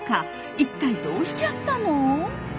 一体どうしちゃったの？